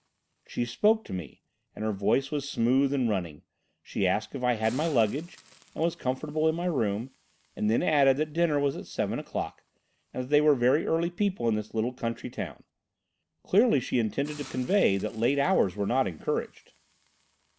She spoke to me, and her voice was smooth and running. She asked if I had my luggage, and was comfortable in my room, and then added that dinner was at seven o'clock, and that they were very early people in this little country town. Clearly, she intended to convey that late hours were not encouraged."